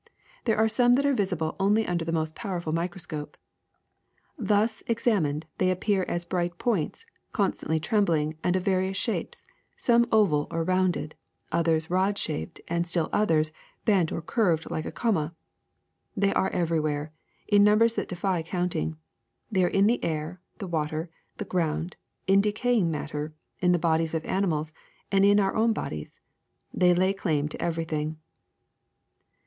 There are some that are visible only under the most pow erful microscope. Thus exam ined, they appear as bright points, constantly trembling and of various shapes, some oval or rounded, others rod shaped, and still others bent or curved like a comma. They are everywhere, in numbers that defy counting; they are in the air, the water, the ground, in decaying matter, in the bodies of animals, and in our o^vn bodies. They lay claim to every thing.